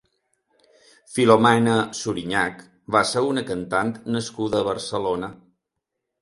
Filomena Suriñach va ser una cantant nascuda a Barcelona.